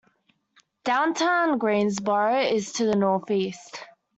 Downtown Greensboro is to the northeast.